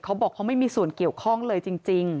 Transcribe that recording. เขาบอกเขาไม่มีส่วนเกี่ยวข้องเลยจริง